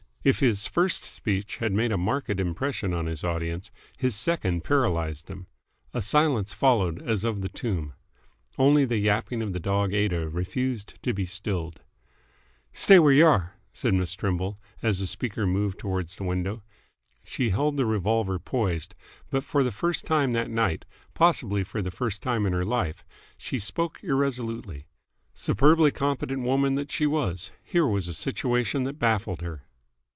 If his first speech had made a marked impression on his audience, his second paralysed them. A silence followed as of the tomb. Only the yapping of the dog Aida refused to be stilled. "Y' stay where y' are!" said Miss Trimble, as the speaker moved towards the window. She held the revolver poised, but for the first time that night possibly for the first time in her life she spoke irresolutely. Superbly competent woman though she was, here was a situation that baffled her.